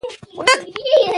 پښتون د غيرت يو نښان دی.